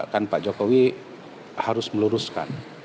kan pak jokowi harus meluruskan